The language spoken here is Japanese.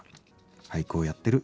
「俳句をやってる。